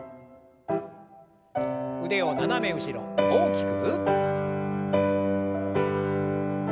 腕を斜め後ろ大きく。